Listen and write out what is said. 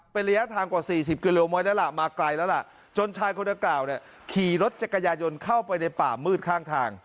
เป็นระยะทางกว่า๔๐กิโลเมตรมาไกลแล้วล่ะจนชายคนนกราวขี่รถจักรยานยนต์เข้าไปในป่ามืดข้างทาง